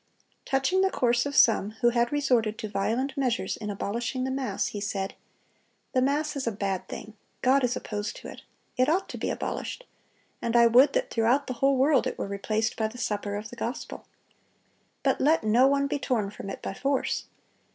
Touching the course of some who had resorted to violent measures in abolishing the mass, he said: "The mass is a bad thing; God is opposed to it; it ought to be abolished; and I would that throughout the whole world it were replaced by the supper of the gospel. But let no one be torn from it by force.